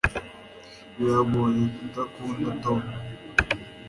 biragoye kudakunda tom